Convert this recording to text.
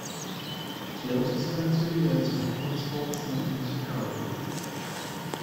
She also spent two years with Fox Sports Net in Chicago.